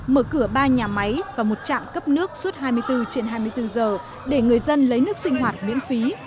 mở cửa ba nhà máy và một trạm cấp nước suốt hai mươi bốn trên hai mươi bốn giờ để người dân lấy nước sinh hoạt miễn phí